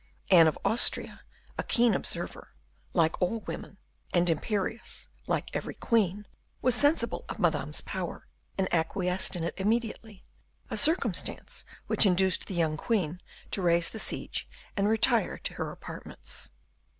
Anne of Austria, a keen observer, like all women, and imperious, like every queen, was sensible of Madame's power, and acquiesced in it immediately, a circumstance which induced the young queen to raise the siege and retire to her apartments.